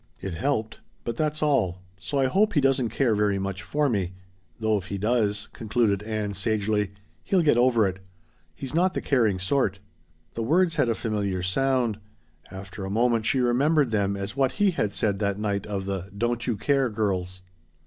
It helped. But that's all so I hope he doesn't care very much for me. Though if he does," concluded Ann sagely, "he'll get over it. He's not the caring sort." The words had a familiar sound; after a moment she remembered them as what he had said that night of the "Don't You Care" girls.